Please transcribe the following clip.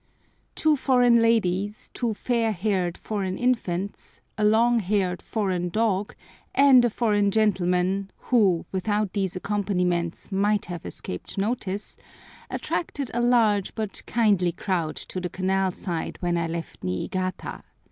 TWO foreign ladies, two fair haired foreign infants, a long haired foreign dog, and a foreign gentleman, who, without these accompaniments, might have escaped notice, attracted a large but kindly crowd to the canal side when I left Niigata.